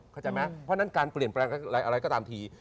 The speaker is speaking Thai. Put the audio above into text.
เข้าใจไหมเพราะฉะนั้นการเปลี่ยนแปลงอะไรก็ตามที